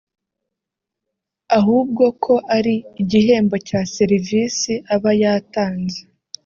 ahubwo ko ari igihembo cya serivisi aba yatanze